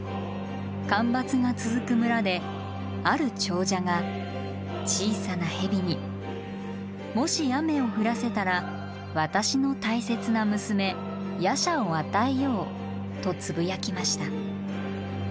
干ばつが続く村である長者が小さな蛇に「もし雨を降らせたら私の大切な娘夜叉を与えよう」とつぶやきました。